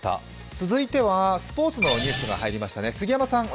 続いてはスポーツのニュースが入りました。